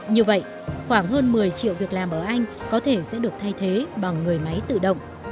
như vậy khoảng hơn một mươi triệu việc làm ở anh có thể sẽ được thay thế bằng người máy tự động